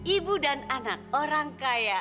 ibu dan anak orang kaya